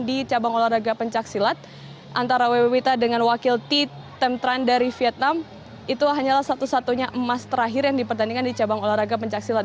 di cabang olahraga pencaksilat antara wb wita dengan wakil t temptran dari vietnam itu hanyalah satu satunya emas terakhir yang dipertandingkan di cabang olahraga pencaksilat